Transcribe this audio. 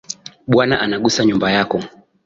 Bwana anagusa nyumba yako